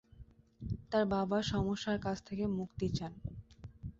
তার বাবা সমস্যার কাছ থেকে মুক্তি চান।